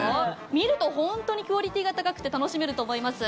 見ると本当にクオリティーが高くて楽しめると思います。